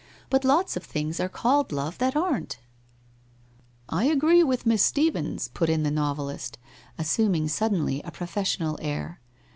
But lots of things are called Love that aren't !' 'I agree with Miss Stephens,' put in the novelist, as suming suddenly a professional air.